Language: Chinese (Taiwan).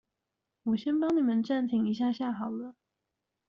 我先幫你們暫停一下下好了